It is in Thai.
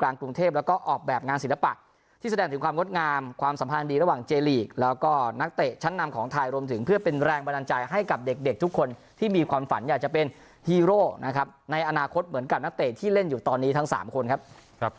กลางกรุงเทพแล้วก็ออกแบบงานศิลปะที่แสดงถึงความงดงามความสัมพันธ์ดีระหว่างเจลีกแล้วก็นักเตะชั้นนำของไทยรวมถึงเพื่อเป็นแรงบันดาลใจให้กับเด็กเด็กทุกคนที่มีความฝันอยากจะเป็นฮีโร่นะครับในอนาคตเหมือนกับนักเตะที่เล่นอยู่ตอนนี้ทั้งสามคนครับ